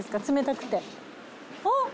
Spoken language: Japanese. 冷たくて。